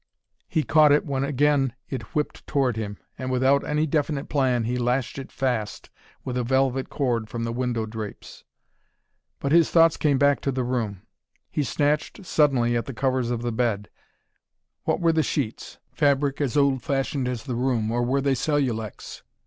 He caught it when again it whipped toward him, and, without any definite plan, he lashed it fast with a velvet cord from the window drapes. But his thoughts came back to the room. He snatched suddenly at the covers of the bed. What were the sheets? fabric as old fashioned as the room, or were they cellulex?